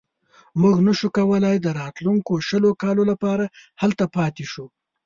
موږ نه شو کولای د راتلونکو شلو کالو لپاره هلته پاتې شو.